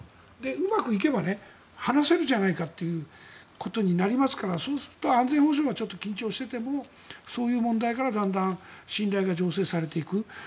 うまくいけば話せるじゃないかっていうことになりますからそうすると安全保障が緊張していてもそういう問題からだんだん信頼が醸成されていく。